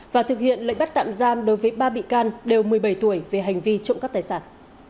và thực hiện lệnh bắt tạm giam đối với ba bị can đều một mươi bảy tuổi về hành vi trộm cắp tài sản